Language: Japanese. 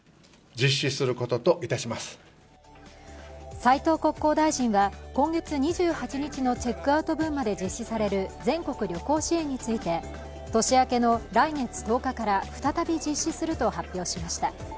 斉藤国交大臣は今月２８日のチェックアウト分まで実施される全国旅行支援について年明けの来月１０日から再び実施すると発表しました。